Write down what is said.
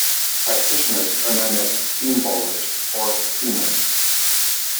Practitioners are known as "seam bowlers" or seamers.